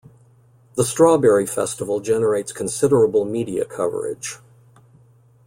The Strawberry Festival generates considerable media coverage.